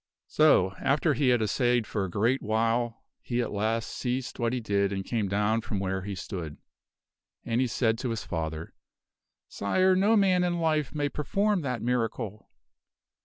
So, after he had thus assayed for a great while, he at last ceased what he did and came down from where he stood. And he said to his father, " Sire, no man in life may perform that miracle."